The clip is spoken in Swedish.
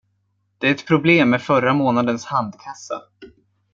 Det är ett problem med förra månadens handkassa.